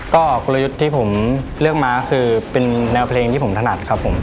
ก็กลยุทธ์ที่ผมเลือกมาคือเป็นแนวเพลงที่ผมถนัดครับผม